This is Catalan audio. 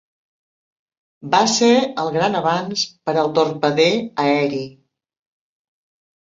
Va ser el gran avanç per al torpede aeri.